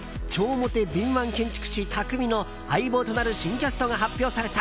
モテ敏腕建築士・匠の相棒となる新キャストが発表された。